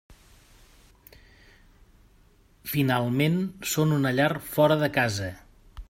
Finalment, són una llar fora de casa.